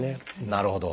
なるほど。